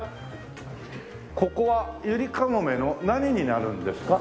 ここはゆりかもめの何になるんですか？